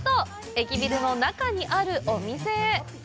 駅ビルの中にあるお店へ。